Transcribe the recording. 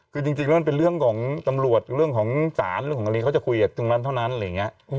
คือจริงแล้วมันเป็นเรื่องของตำรวจเรื่องของศาลเรื่องของอะไรเขาจะคุยกับตรงนั้นเท่านั้นอะไรอย่างนี้